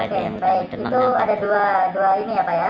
oke baik itu ada dua ini ya pak ya